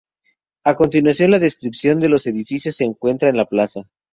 A continuación la descripción de los edificios que se encuentran en la Plaza.